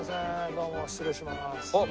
どうも失礼します。